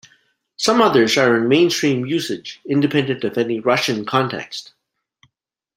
Some others are in mainstream usage, independent of any Russian context.